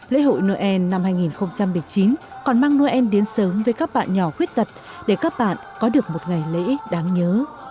lễ hội noel năm hai nghìn một mươi chín còn mang noel đến sớm với các bạn nhỏ khuyết tật để các bạn có được một ngày lễ đáng nhớ